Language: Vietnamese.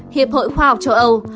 hiệp hội khoa học châu âu